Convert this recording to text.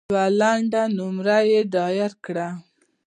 یوه لنډه نمره یې ډایل کړه .